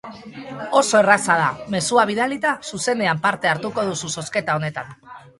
Oso erraza da, mezua bidalita zuzenean parte hartuko duzu zozketa honetan.